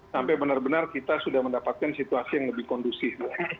sampai benar benar kita sudah mendapatkan situasi yang lebih kondusif